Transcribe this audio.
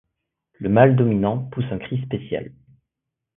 Le mâle dominant pousse un cri spécial.